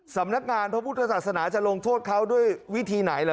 สำนักงานพระพุทธศาสนาจะลงโทษเขาด้วยวิธีไหนเหรอ